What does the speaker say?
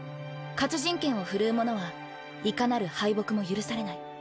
活人剣を振るう者はいかなる敗北も許されない。